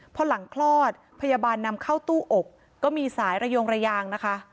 พอหลังคลอดพยาบาลนำเข้าตู้อกก็มีสายระยงระยางนะคะ